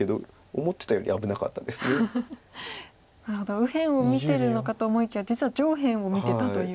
右辺を見てるのかと思いきや実は上辺を見てたという。